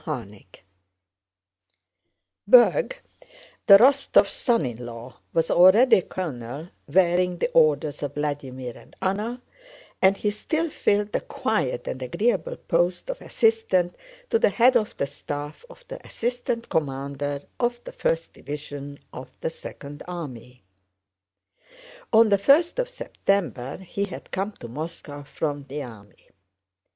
CHAPTER XVI Berg, the Rostóvs' son in law, was already a colonel wearing the orders of Vladímir and Anna, and he still filled the quiet and agreeable post of assistant to the head of the staff of the assistant commander of the first division of the Second Army. On the first of September he had come to Moscow from the army.